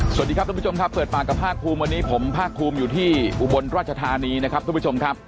สวัสดีครับทุกผู้ชมครับเปิดปากกับภาคภูมิวันนี้ผมภาคภูมิอยู่ที่อุบลราชธานีนะครับทุกผู้ชมครับ